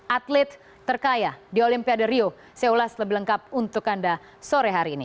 atlet terkaya di olimpiade rio saya ulas lebih lengkap untuk anda sore hari ini